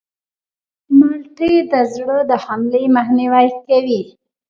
مالټې د زړه د حملې مخنیوی کوي.